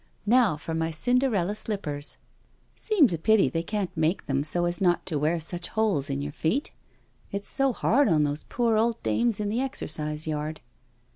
" Now for my Cinderella slippers I Seems a pity they can't make them so as not to wear such holes in your feet. It's, so hard on those poor old dames in the exercise yard."